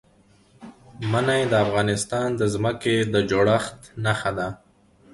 منی د افغانستان د ځمکې د جوړښت نښه ده.